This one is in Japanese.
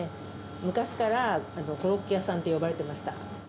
昔からコロッケ屋さんって呼ばれてました。